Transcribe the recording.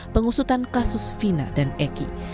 pengusutan kasus vina dan eki